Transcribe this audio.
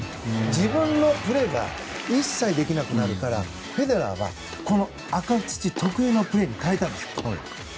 自分のプレーが一切できなくなるからフェデラーが赤土得意のプレーに変えたんです。